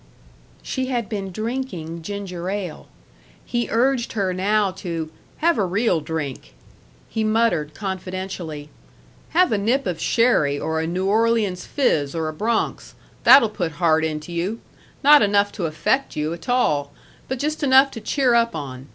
She had been drinking ginger ale. He urged her now to "have a real drink." He muttered confidentially: "Have a nip of sherry or a New Orleans fizz or a Bronx. That'll put heart into you. Not enough to affect you a tall, but just enough to cheer up on.